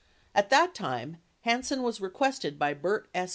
At that time, Hansen was requested by Burt S.